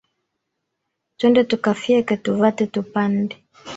Twende tukafyeke tuvate tupande.